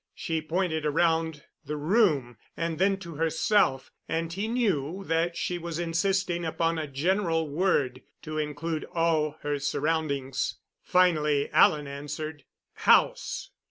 She pointed around the room and then to herself, and he knew that she was insisting upon a general word to include all her surroundings. Finally Alan answered: "House."